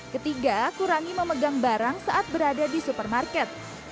ketiga kurangi memegang barang saat berada di supermarket